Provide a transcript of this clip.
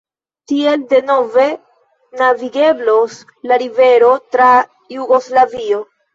Tiel denove navigeblos la rivero tra Jugoslavio.